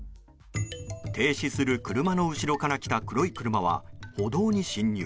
停止する車の後ろから来た黒い車は歩道に進入。